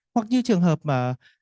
hoặc như trường hợp mà